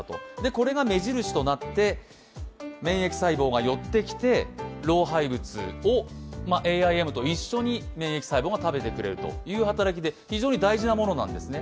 これが目印となって免疫細胞が寄ってきて老廃物をＡＩＭと一緒に免疫細胞が食べてくれるというもので、非常に大事なものなんですね。